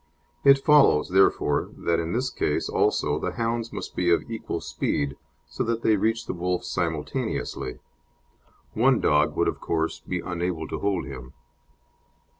It follows, therefore, that in this case also the hounds must be of equal speed, so that they reach the wolf simultaneously; one dog would, of course, be unable to hold him.